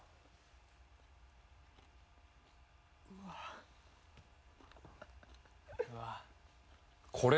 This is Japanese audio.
うわっ